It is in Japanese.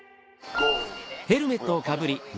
ゴー。